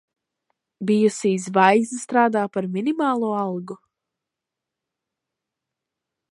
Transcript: Bijusī zvaigzne strādā par minimālo algu.